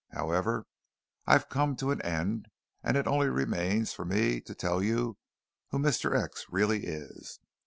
"However, I've come to an end, and it only remains for me to tell you who Mr. X. really is.